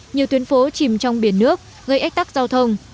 nhiều tuyến phố chìm trong biển nước gây ách tắc giao thông